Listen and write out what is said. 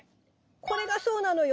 これがそうなのよ。